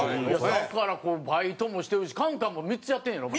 だからバイトもしてるしカンカンも３つやってんのやろ？